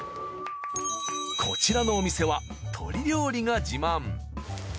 こちらのお店は鶏料理が自慢。